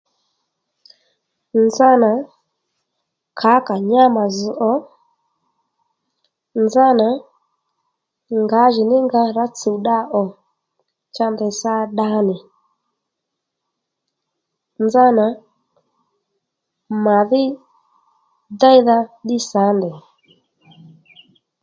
Nzánà kǎkà nyá mà zz̀ ò, nzánà ngǎjìní nga rǎ tsuw dda ò cha ndèy sa dda nì nzánà màdhí déydha ddí sǎ ndèy